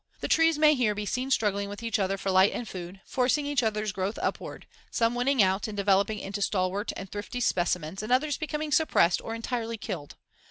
The trees may here be seen struggling with each other for light and food, forcing each other's growth upward, some winning out and developing into stalwart and thrifty specimens and others becoming suppressed or entirely killed.